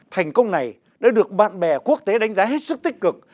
thành công này đã được bạn bè quốc tế đánh giá hết sức tích cực